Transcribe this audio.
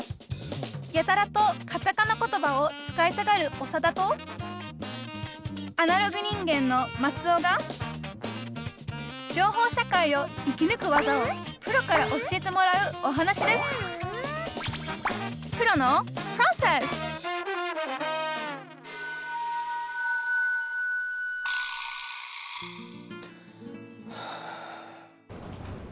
やたらとカタカナ言葉を使いたがるオサダとアナログ人間のマツオが情報社会を生きぬく技をプロから教えてもらうお話ですはあ。